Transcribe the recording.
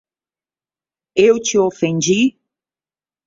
Eu te ofendi?